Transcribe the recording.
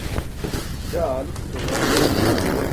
jaa aalu ṣuc̣abaa